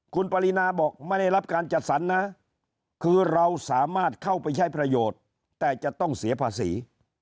คุณปรินาบอกไม่ได้รับการจัดสรรนะคือเราสามารถเข้าไปใช้ประโยชน์แต่จะต้องเสียภาษี